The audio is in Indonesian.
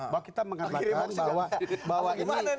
bahwa kita mengatakan bahwa